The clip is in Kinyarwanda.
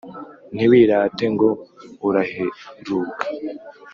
Ntiwirate ngo uraheruka